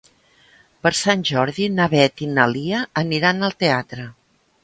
Per Sant Jordi na Beth i na Lia aniran al teatre.